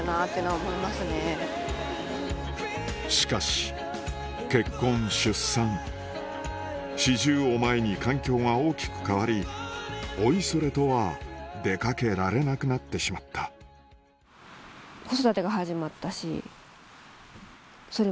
しかし結婚出産四十を前に環境が大きく変わりおいそれとは出かけられなくなってしまった何か。